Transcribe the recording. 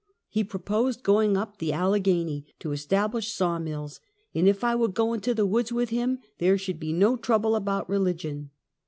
He proposed going up the Allegheny to establish saw mills, and if I would go into the woods with him, there should be no trouble about religion.